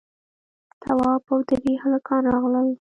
تواب او درې هلکان راغلل.